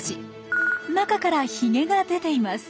中からヒゲが出ています。